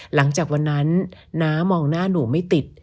หลังจากวันนั้นน้ามองหน้าหนูไม่ติด